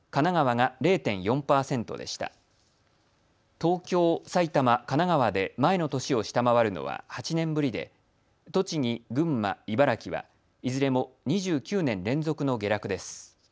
東京、埼玉、神奈川で前の年を下回るのは８年ぶりで栃木、群馬、茨城はいずれも２９年連続の下落です。